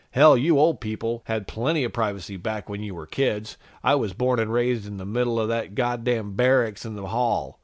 "Hell, you old people had plenty of privacy back when you were kids. I was born and raised in the middle of that goddamn barracks in the hall!